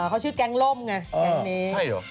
เขาชื่อแก๊งล่มไงแก๊งนี้